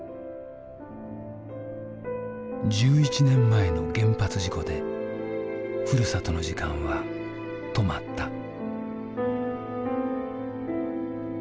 １１年前の原発事故でふるさとの時間は止まった。